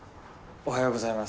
おはようございます！